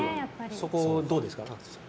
そこどうですか？